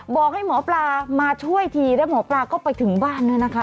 บอกให้หมอปลามาช่วยทีแล้วหมอปลาก็ไปถึงบ้านด้วยนะคะ